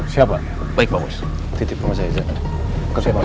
siapa baik bagus titip rumah saya jangan kesempatan